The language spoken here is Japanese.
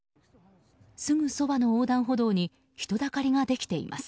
すぐそばの横断歩道に人だかりができています。